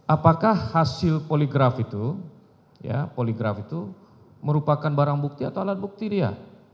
apakah hasil poligraf itu merupakan barang bukti atau alat bukti dia